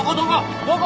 どこ？